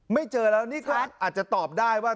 ไม่เจอแล้วนี่ก็อาจจะตอบได้ว่า